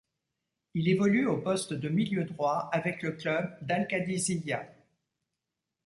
Il évolue au poste de milieu droit avec le club d'Al-Qadisiyah.